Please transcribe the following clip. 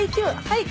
はい。